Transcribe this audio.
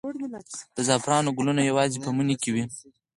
د زعفرانو ګلونه یوازې په مني کې وي؟